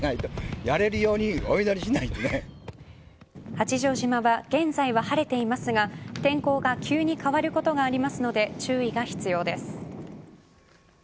八丈島は現在は晴れていますが天候が急に変わることがありますので注意が必要です。